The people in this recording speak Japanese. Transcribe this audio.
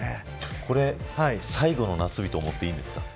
これ、最後の夏日と思っていいんですか。